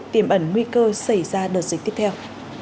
tiềm ẩn nguy cơ xảy ra đợt dịch tiếp theo